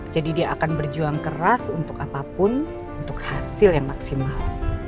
jadi dia akan berjuang keras untuk apapun untuk hasil yang maksimal